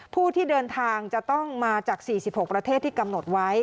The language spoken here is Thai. ผู้ที่เดินทางจะต้องมาจาก๔๖ประเทศที่กำหนดไว้